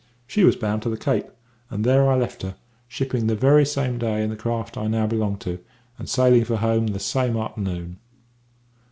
"She was bound to the Cape, and there I left her, shipping the very same day in the craft I now belong to, and sailing for home the same a'ternoon."